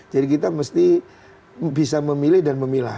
jadi kita mesti bisa memilih dan memilah